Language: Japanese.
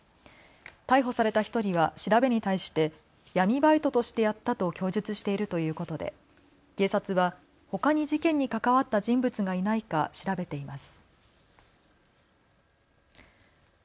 逮捕された１人は調べに対して闇バイトとしてやったと供述しているということで警察はほかに事件に関わった人物がいないか調べています。